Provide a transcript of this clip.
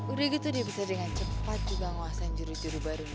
udah gitu dia bisa dengan cepat juga nguasain juru juru baru